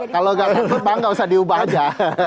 kalau nggak usah diubah aja